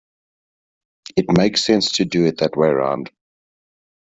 It makes sense to do it that way round.